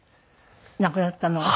亡くなったのが？